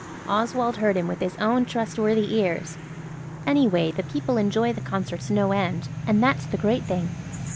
Oswald heard him with his own trustworthy ears. Anyway the people enjoy the concerts no end, and that's the great thing.